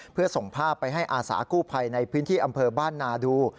เพื่อส่งภาพไปให้อาสากู้ภัยในพื้นที่อำเภอบ้านนาดู